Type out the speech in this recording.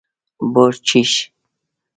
🐊 بورچېش